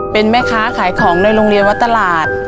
เป็นแม่ค้าขายของในโรงเรียนวัดตลาด